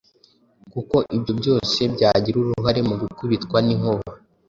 kuko ibyo byose byagira uruhare mu gukubitwa n’inkuba;